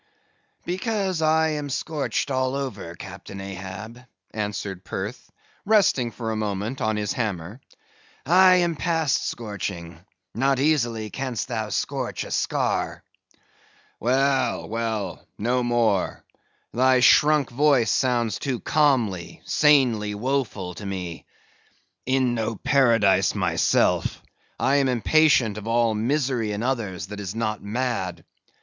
"Because I am scorched all over, Captain Ahab," answered Perth, resting for a moment on his hammer; "I am past scorching; not easily can'st thou scorch a scar." "Well, well; no more. Thy shrunk voice sounds too calmly, sanely woeful to me. In no Paradise myself, I am impatient of all misery in others that is not mad.